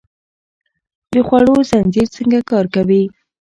د خوړو زنځیر څنګه کار کوي؟